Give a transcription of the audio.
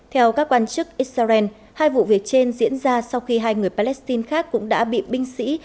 theo các quan chức israel hai vụ việc trên diễn ra sau khi hai người palestine khác cũng đã bị binh sĩ